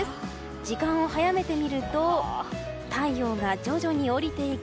時間を早めてみると太陽が徐々に降りていき